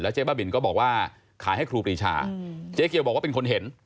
เจ๊บ้าบินก็บอกว่าขายให้ครูปรีชาเจ๊เกียวบอกว่าเป็นคนเห็น